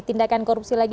tindakan korupsi lagi